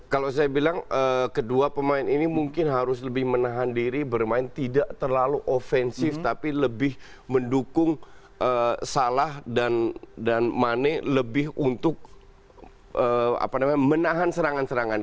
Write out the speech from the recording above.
kalau saya bilang kedua pemain ini mungkin harus lebih menahan diri bermain tidak terlalu offensif tapi lebih mendukung salah dan money lebih untuk menahan serangan serangan